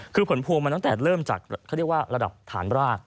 คือผลพวงมาตั้งแต่เริ่มจากเขาเรียกว่าระดับฐานราก